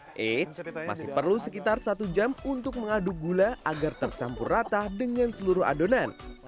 eits masih perlu sekitar satu jam untuk mengaduk gula agar tercampur rata dengan seluruh adonan